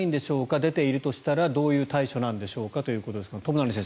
出ているとしたらどういう対処なんでしょうかということですが友成先生